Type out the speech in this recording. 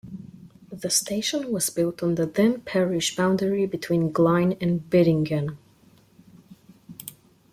The station was built on the then parish boundary between Glynde and Beddingham.